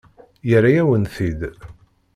Yerra-yawen-t-id.